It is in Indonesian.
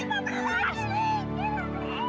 gue yang menang liz